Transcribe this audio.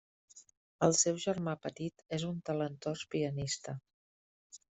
El seu germà petit és un talentós pianista.